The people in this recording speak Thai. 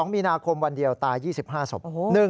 ๒มีนาคมวันเดียวตาย๒๕ศพ